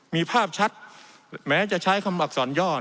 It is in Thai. มีภาพชัดแม้จะใช้คำอักษรย่อ